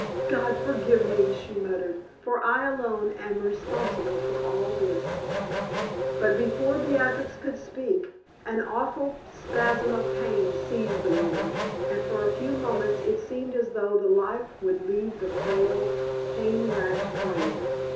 "God forgive me!" she muttered; "for I alone am responsible for all this." But before Beatrix could speak an awful spasm of pain seized the woman, and for a few moments it seemed as though the life would leave the frail, pain racked frame.